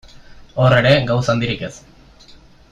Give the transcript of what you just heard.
Hor ere, gauza handirik ez.